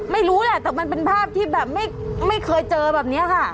ไม่รู้แหละแต่มันเป็นภาพที่แบบไม่เคยเจอแบบนี้ค่ะ